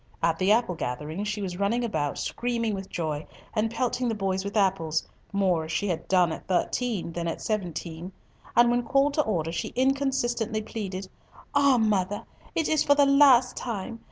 At the apple gathering, she was running about, screaming with joy, and pelting the boys with apples, more as she had done at thirteen than at seventeen, and when called to order she inconsistently pleaded, "Ah, mother! it is for the last time.